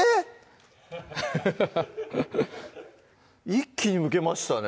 一気にむけましたね